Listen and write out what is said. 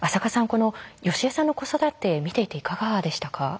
このよしえさんの子育て見ていていかがでしたか？